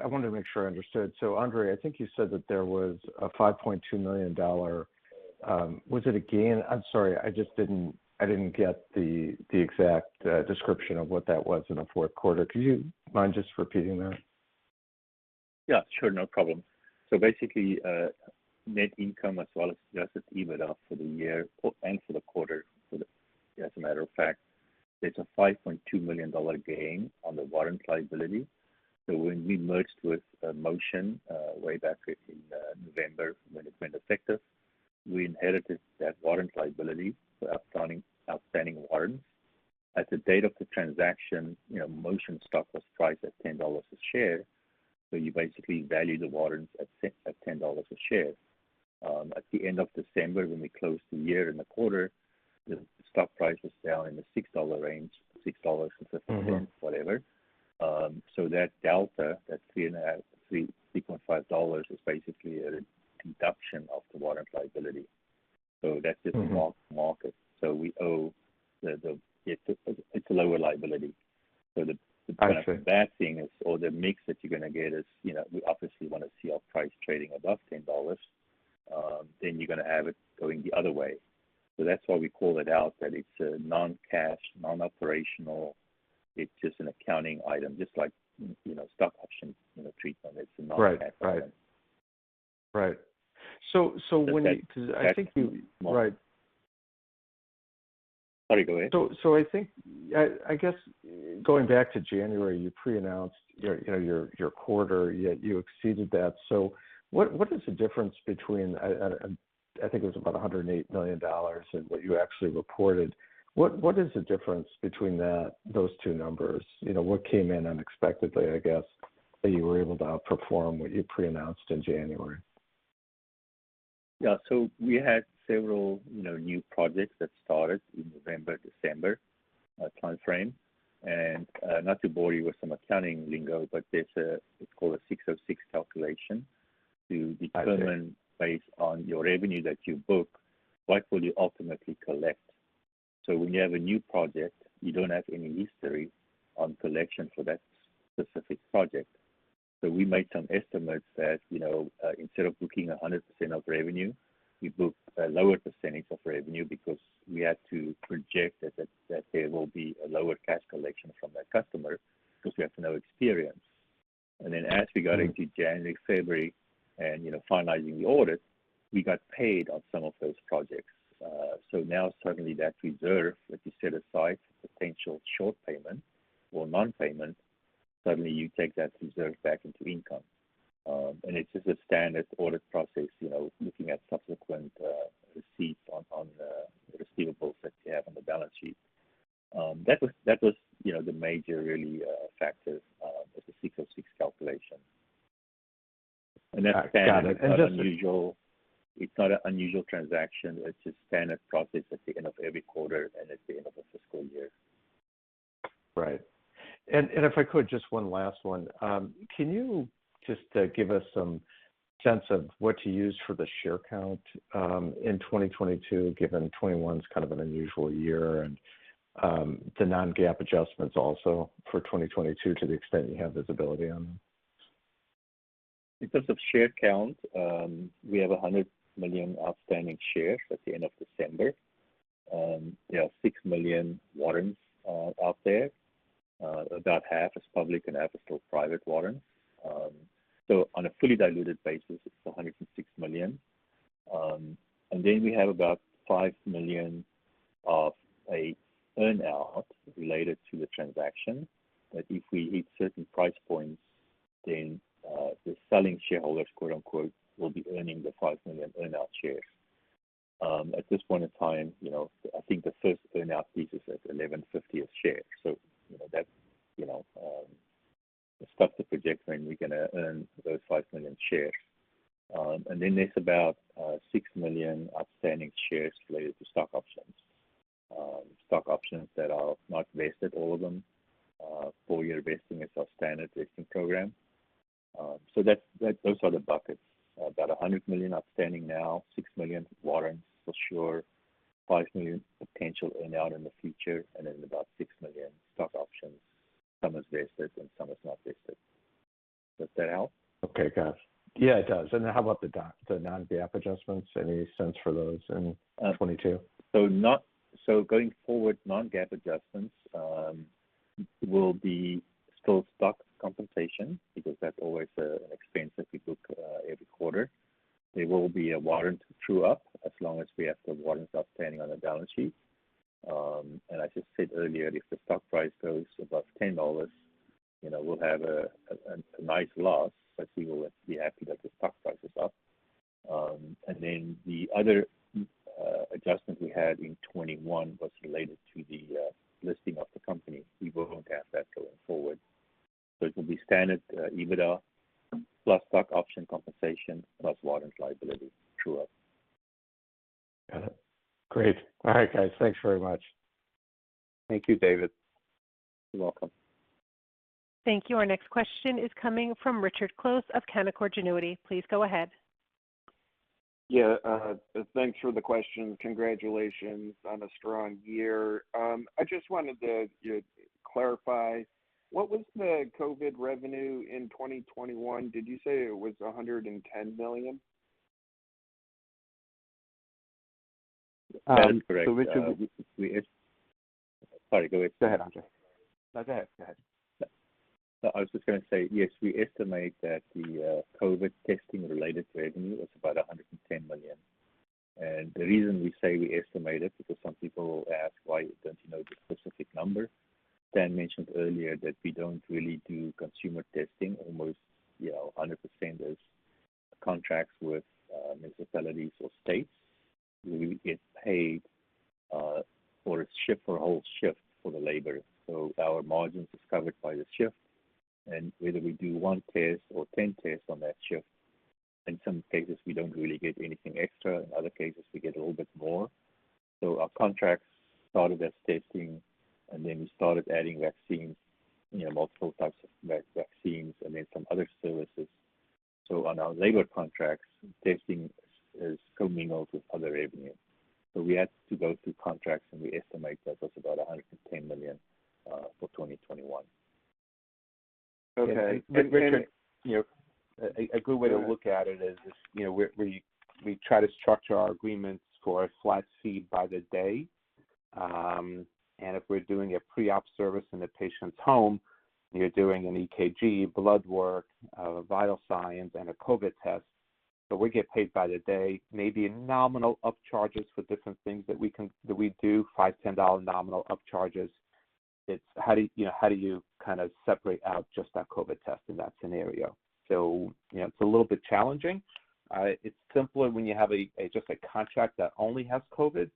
S8: wanted to make sure I understood. Andre, I think you said that there was a $5.2 million, was it a gain? I'm sorry, I just didn't get the exact description of what that was in the fourth quarter. Would you mind just repeating that?
S4: Yeah, sure. No problem. Basically, net income as well as just its EBITDA for the year and for the quarter. As a matter of fact, there's a $5.2 million gain on the warrant liability. When we merged with Motion way back in November, when it went effective, we inherited that warrant liability for outstanding warrants. At the date of the transaction, Motion stock was priced at $10 a share, so you basically value the warrants at $10 a share. At the end of December, when we closed the year and the quarter, the stock price was down in the $6 range, $6.50 that delta, that $3.5 is basically a reduction of the warrant liability. That's just mark to market. We owe the. It's a lower liability. The mix that you're gonna get is, you know, we obviously wanna see our price trading above $10. You're gonna have it going the other way. That's why we call it out, that it's a non-cash, non-operational. It's just an accounting item, just like, you know, stock option, you know, treatment. It's a non-cash item.
S8: Right. When you 'cause I think you. Right.
S4: Sorry, go ahead.
S8: I think, I guess going back to January, you pre-announced your, you know, your quarter, yet you exceeded that. What is the difference between that and what you actually reported? I think it was about $108 million. What is the difference between those two numbers? You know, what came in unexpectedly, I guess, that you were able to outperform what you pre-announced in January?
S4: We had several, you know, new projects that started in November, December timeframe. Not to bore you with some accounting lingo, but it's called a 606 calculation to determine. Based on your revenue that you book, what will you ultimately collect. When you have a new project, you don't have any history on collection for that specific project. We made some estimates that, you know, instead of booking 100% of revenue, we book a lower percentage of revenue because we had to project that there will be a lower cash collection from that customer because we have no experience. Then as we got into January, February and, you know, finalizing the audit, we got paid on some of those projects. Now suddenly that reserve that you set aside for potential short payment or non-payment, suddenly you take that reserve back into income. It's just a standard audit process, you know, looking at subsequent receipts on the receivables that you have on the balance sheet. That was, you know, the major really factor was the 606 calculation.
S8: Got it.
S4: That's standard. It's not unusual. It's not an unusual transaction. It's a standard process at the end of every quarter and at the end of a fiscal year.
S8: Right. If I could, just one last one. Can you just give us some sense of what to use for the share count in 2022, given 2021's kind of an unusual year and the non-GAAP adjustments also for 2022 to the extent you have visibility on them?
S4: In terms of share count, we have 100 million outstanding shares at the end of December. There are 6 million warrants out there. About half is public and half is still private warrants. On a fully diluted basis, it's 106 million. We have about 5 million of an earn-out related to the transaction. That if we hit certain price points then, the selling shareholders, quote-unquote, will be earning the 5 million earn-out shares. At this point in time, you know, I think the first earn-out piece is at $11.50 a share. You know, that's, you know, the stuff to project when we're gonna earn those 5 million shares. There's about 6 million outstanding shares related to stock options that are not vested, all of them. Four-year vesting is our standard vesting program. That's those are the buckets. About 100 million outstanding now. 6 million warrants for sure. 5 million potential earn-out in the future, and then about 6 million stock options. Some is vested and some is not vested. Does that help?
S8: Okay, got it. Yeah, it does. Then how about the non-GAAP adjustments? Any sense for those in 2022?
S4: Going forward, non-GAAP adjustments will still be stock compensation because that's always an expense that we book every quarter. There will be a warrant true-up as long as we have the warrants outstanding on the balance sheet. And I just said earlier, if the stock price goes above $10, you know, we'll have a nice loss, but we will be happy that the stock price is up. And then the other adjustment we had in 2021 was related to the listing of the company. We won't have that going forward. It will be standard EBITDA plus stock option compensation plus warrant liability throughout.
S8: Got it. Great. All right, guys. Thanks very much.
S4: Thank you, David.
S8: You're welcome.
S1: Thank you. Our next question is coming from Richard Close of Canaccord Genuity. Please go ahead.
S9: Yeah. Thanks for the question. Congratulations on a strong year. I just wanted to, you know, clarify, what was the COVID revenue in 2021? Did you say it was $110 million?
S4: That is correct.
S3: Richard-
S4: Sorry, go ahead.
S3: Go ahead, Andre.
S4: I was just gonna say, yes, we estimate that the COVID testing-related revenue was about $110 million. The reason we say we estimate it, because some people ask, "Why don't you know the specific number?" Stan mentioned earlier that we don't really do consumer testing. Almost, you know, 100% is contracts with municipalities or states. We get paid for a shift, for a whole shift for the labor. Our margins is covered by the shift. Whether we do one test or 10 tests on that shift, in some cases we don't really get anything extra. In other cases, we get a little bit more. Our contracts started as testing, and then we started adding vaccines, you know, multiple types of vaccines and then some other services. On our labor contracts, testing is commingled with other revenue. We had to go through contracts, and we estimate that was about $110 million for 2021.
S9: Okay.
S3: Richard, you know, a good way to look at it is, you know, we try to structure our agreements for a flat fee by the day. If we're doing a pre-op service in the patient's home and you're doing an EKG, blood work, vital signs, and a COVID test, we get paid by the day. Maybe a nominal up charges for different things that we do, $5, $10 nominal up charges. It's how do you kind of separate out just that COVID test in that scenario? You know, it's a little bit challenging. It's simpler when you have just a contract that only has COVID.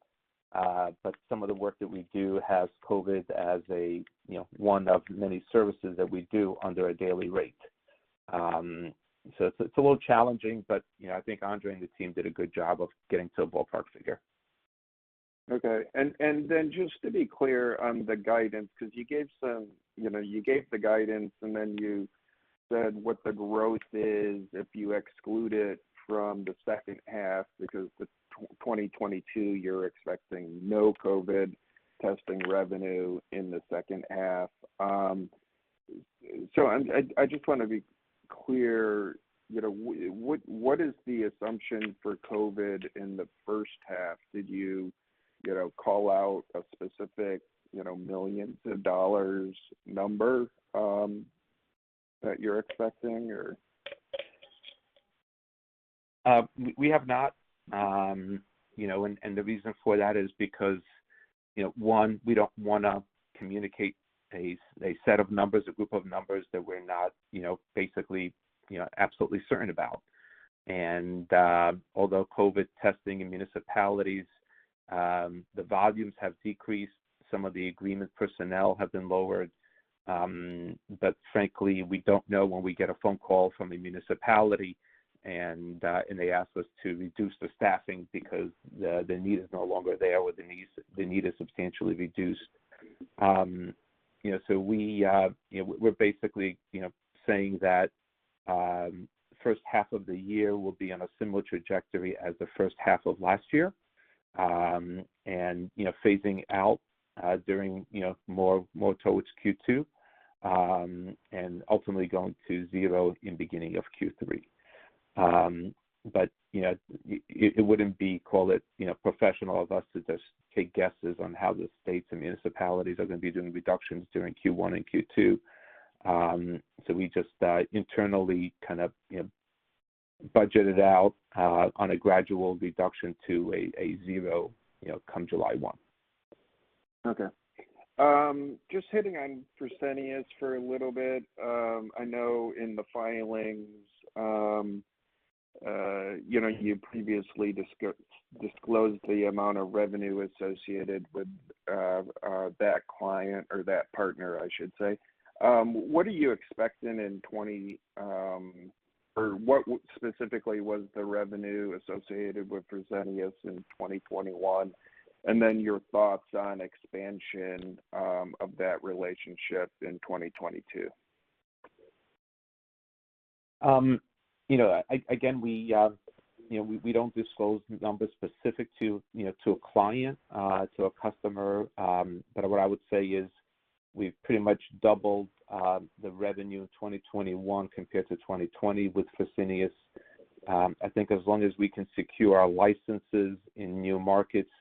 S3: Some of the work that we do has COVID as a, you know, one of many services that we do under a daily rate. It's a little challenging, but you know, I think Andre and the team did a good job of getting to a ballpark figure.
S9: Okay. Then just to be clear on the guidance, because you gave some, you know, you gave the guidance and then you said what the growth is if you exclude it from the second half because in 2022 you're expecting no COVID testing revenue in the second half. I just wanna be clear, you know, what is the assumption for COVID in the first half? Did you know, call out a specific, you know, millions of dollars number that you're expecting or?
S3: We have not. You know, the reason for that is because, you know, one, we don't wanna communicate a set of numbers, a group of numbers that we're not, you know, basically, you know, absolutely certain about. Although COVID testing in municipalities, the volumes have decreased, some of the agreement personnel have been lowered, but frankly, we don't know when we get a phone call from a municipality and they ask us to reduce the staffing because the need is no longer there or the need is substantially reduced. You know, we're basically, you know, saying that first half of the year will be on a similar trajectory as the first half of last year. You know, phasing out during you know more towards Q2 and ultimately going to zero in beginning of Q3. You know, it wouldn't be call it you know professional of us to just take guesses on how the states and municipalities are gonna be doing reductions during Q1 and Q2. We just internally kind of you know budget it out on a gradual reduction to a zero you know come July 1.
S9: Okay. Just hitting on Fresenius for a little bit. I know in the filings, you know, you previously disclosed the amount of revenue associated with that client or that partner, I should say. What are you expecting in 2022 or what specifically was the revenue associated with Fresenius in 2021? Your thoughts on expansion of that relationship in 2022.
S3: You know, again, we don't disclose numbers specific to, you know, to a client, to a customer. But what I would say is we've pretty much doubled the revenue in 2021 compared to 2020 with Fresenius. I think as long as we can secure our licenses in new markets,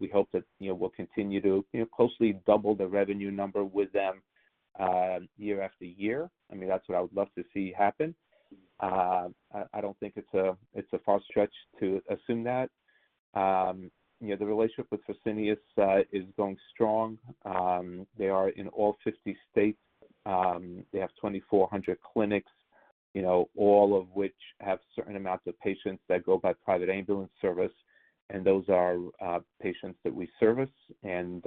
S3: we hope that, you know, we'll continue to, you know, closely double the revenue number with them, year after year. I mean, that's what I would love to see happen. I don't think it's a far stretch to assume that. You know, the relationship with Fresenius is going strong. They are in all 50 states. They have 2,400 clinics. You know, all of which have certain amounts of patients that go by private ambulance service, and those are patients that we service and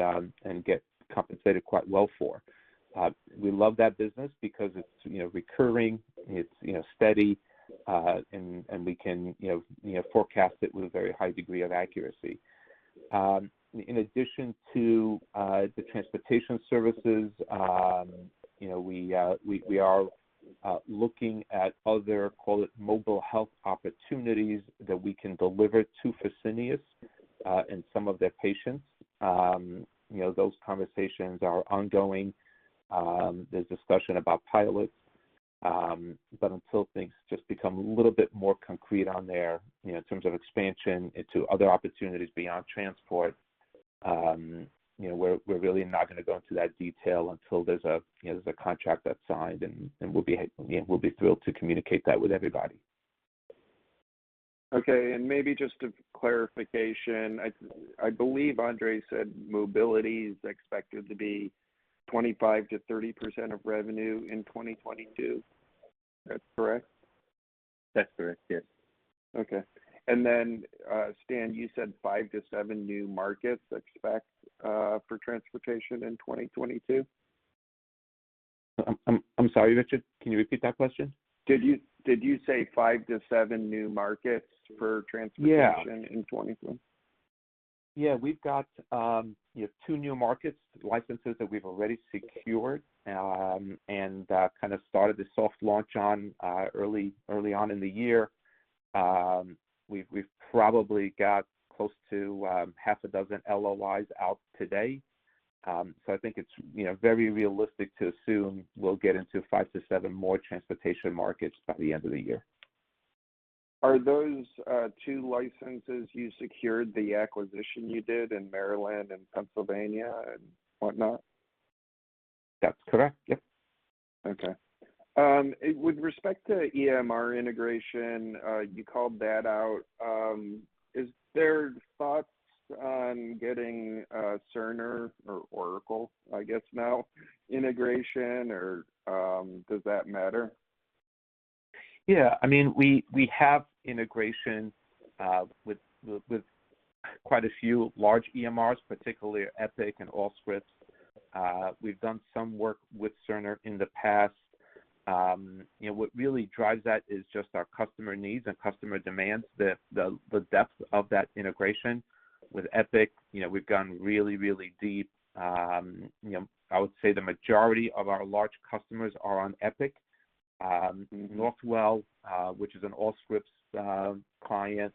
S3: get compensated quite well for. We love that business because it's, you know, recurring, it's, you know, steady, and we can, you know, forecast it with a very high degree of accuracy. In addition to the transportation services, you know, we are looking at other, call it mobile health opportunities that we can deliver to Fresenius and some of their patients. You know, those conversations are ongoing. There's discussion about pilots until things just become a little bit more concrete on their, you know, in terms of expansion into other opportunities beyond transport, you know, we're really not gonna go into that detail until there's a contract that's signed, and we'll be thrilled to communicate that with everybody.
S9: Okay. Maybe just a clarification. I believe Andre said mobility is expected to be 25%-30% of revenue in 2022. That's correct?
S3: That's correct. Yes.
S9: Okay. Stan, you said five-seven new markets expected for transportation in 2022?
S3: I'm sorry, Richard. Can you repeat that question?
S9: Did you say five-seven new markets for transportation?
S3: Yeah
S9: in 2022?
S3: Yeah. We've got two new markets licenses that we've already secured and kind of started the soft launch on early on in the year. We've probably got close to six LOIs out today. I think it's you know very realistic to assume we'll get into five-seven more transportation markets by the end of the year.
S9: Are those two licenses you secured the acquisition you did in Maryland and Pennsylvania and whatnot?
S3: That's correct. Yep.
S9: Okay. With respect to EMR integration, you called that out. Is there thoughts on getting Cerner or Oracle, I guess now, integration or does that matter?
S3: Yeah. I mean, we have integration with quite a few large EMRs, particularly Epic and Allscripts. We've done some work with Cerner in the past. You know, what really drives that is just our customer needs and customer demands. The depth of that integration with Epic, you know, we've gone really deep. You know, I would say the majority of our large customers are on Epic. Northwell, which is an Allscripts client,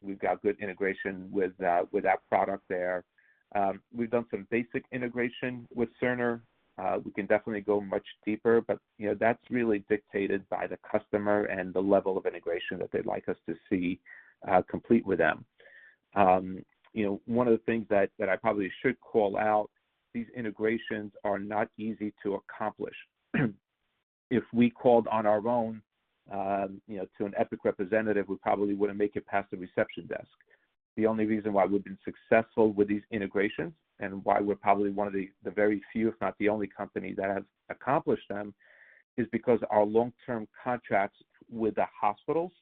S3: we've got good integration with that product there. We've done some basic integration with Cerner. We can definitely go much deeper, but you know, that's really dictated by the customer and the level of integration that they'd like us to complete with them. You know, one of the things that I probably should call out, these integrations are not easy to accomplish. If we called on our own, you know, to an Epic representative, we probably wouldn't make it past the reception desk. The only reason why we've been successful with these integrations and why we're probably one of the very few, if not the only company that has accomplished them, is because our long-term contracts with the hospitals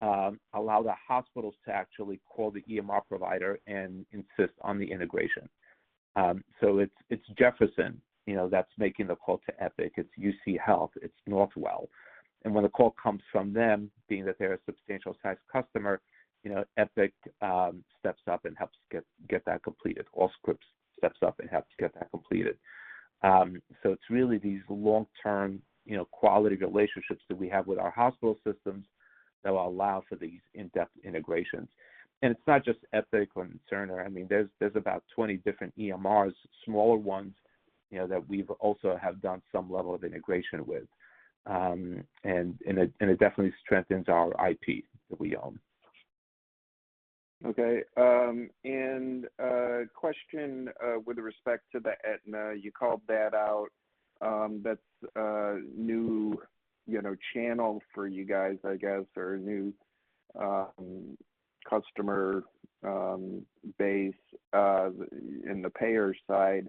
S3: allow the hospitals to actually call the EMR provider and insist on the integration. It's Jefferson, you know, that's making the call to Epic. It's UCHealth. It's Northwell. When the call comes from them, being that they're a substantial sized customer, you know, Epic steps up and helps get that completed. Allscripts steps up and helps get that completed. It's really these long-term, you know, quality relationships that we have with our hospital systems that will allow for these in-depth integrations. It's not just Epic or Cerner. I mean, there's about 20 different EMRs, smaller ones, you know, that we've also done some level of integration with. It definitely strengthens our IP that we own.
S9: Okay. Question with respect to Aetna, you called that out, that's a new, you know, channel for you guys, I guess, or a new customer base in the payer side.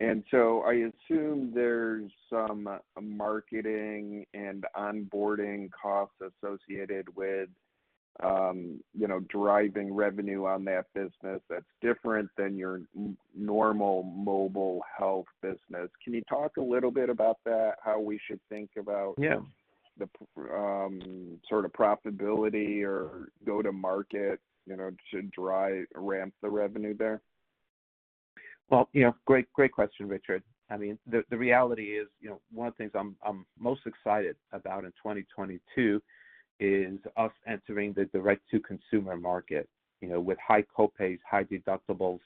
S9: I assume there's some marketing and onboarding costs associated with, you know, driving revenue on that business that's different than your normal mobile health business. Can you talk a little bit about that, how we should think about-
S3: Yeah
S9: sort of profitability or go-to-market, you know, to ramp the revenue there?
S3: Well, you know, great question, Richard. I mean, the reality is, you know, one of the things I'm most excited about in 2022 is us entering the direct-to-consumer market. You know, with high co-pays, high deductibles,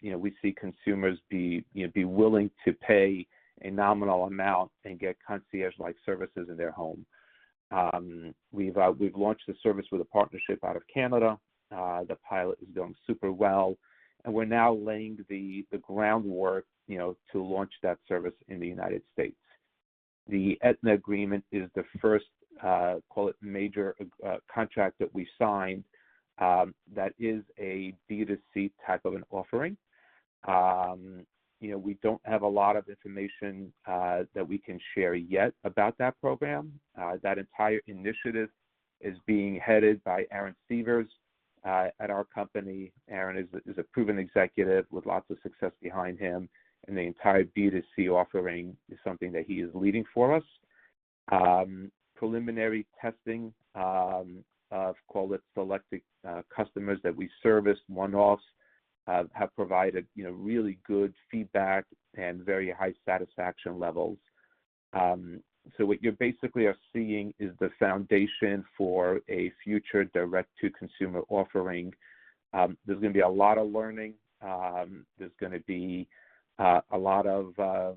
S3: you know, we see consumers be willing to pay a nominal amount and get concierge-like services in their home. We've launched the service with a partnership out of Canada. The pilot is doing super well. We're now laying the groundwork, you know, to launch that service in the United States. The Aetna agreement is the first, call it major, contract that we signed, that is a D2C type of an offering. You know, we don't have a lot of information, that we can share yet about that program. That entire initiative is being headed by Aaron Severs at our company. Aaron is a proven executive with lots of success behind him, and the entire B2C offering is something that he is leading for us. Preliminary testing of call it selected customers that we service one-offs have provided you know really good feedback and very high satisfaction levels. What you basically are seeing is the foundation for a future direct-to-consumer offering. There's gonna be a lot of learning. There's gonna be a lot of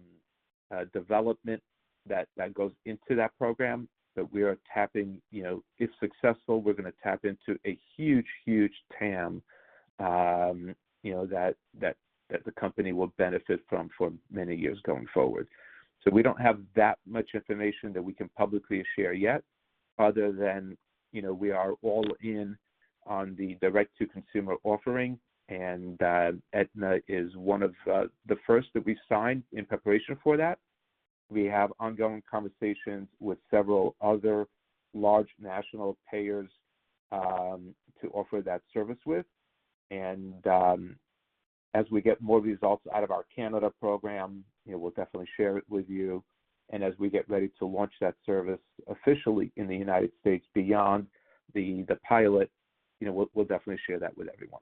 S3: development that goes into that program. We are tapping you know if successful we're gonna tap into a huge TAM you know that the company will benefit from for many years going forward. We don't have that much information that we can publicly share yet other than, you know, we are all in on the direct-to-consumer offering. Aetna is one of the first that we signed in preparation for that. We have ongoing conversations with several other large national payers to offer that service with. As we get more results out of our Canada program, you know, we'll definitely share it with you. As we get ready to launch that service officially in the United States beyond the pilot, you know, we'll definitely share that with everyone.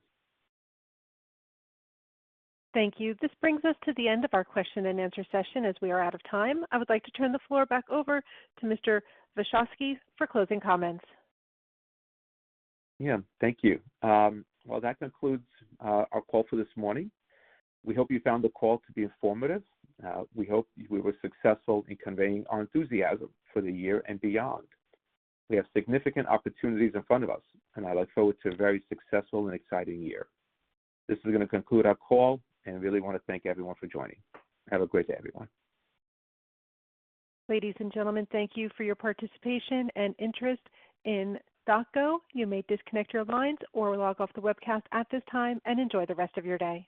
S1: Thank you. This brings us to the end of our question and answer session as we are out of time. I would like to turn the floor back over to Mr. Vashovsky for closing comments.
S3: Yeah. Thank you. Well, that concludes our call for this morning. We hope you found the call to be informative. We hope we were successful in conveying our enthusiasm for the year and beyond. We have significant opportunities in front of us, and I look forward to a very successful and exciting year. This is gonna conclude our call, and I really wanna thank everyone for joining. Have a great day, everyone.
S1: Ladies and gentlemen, thank you for your participation and interest in DocGo. You may disconnect your lines or log off the webcast at this time, and enjoy the rest of your day.